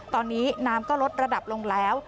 ตอนนี้น้ำก็ลดระดับลงแล้ว